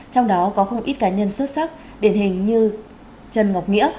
trong đó có không ít cá nhân xuất sắc điển hình như trần ngọc nghĩa